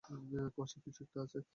কুয়াশায় কিছু একটা আছে!